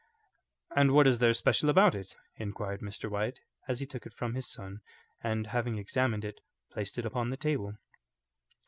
"And what is there special about it?" inquired Mr. White as he took it from his son, and having examined it, placed it upon the table.